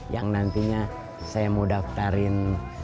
yang nantinya saya mau daftarin